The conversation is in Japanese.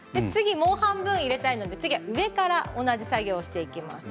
もう半分入れたいので次は上から同じ作業をしていきます。